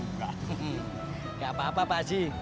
nggak apa apa pak haji